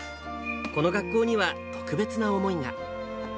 この学校には特別な思いが。